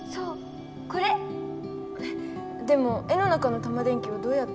えっでも絵の中のタマ電Ｑをどうやって？